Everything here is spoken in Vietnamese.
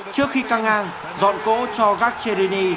trước khi căng ngang dọn cỗ cho gaccherini